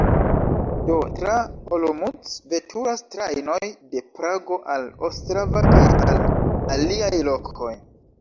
Do, tra Olomouc veturas trajnoj de Prago al Ostrava kaj al aliaj lokoj.